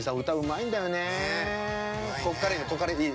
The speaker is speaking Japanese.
ここからいいの。